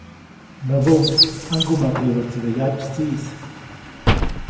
Näbuʼuŋ ‒ʼaŋgumaʼkäyubäʼtside yatsytsiʼis‒.